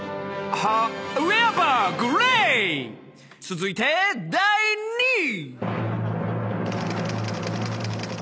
続いて第２位！